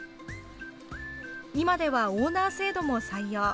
今ではオーナー制度も採用。